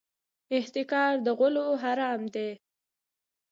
احتکار د غلو حرام دی.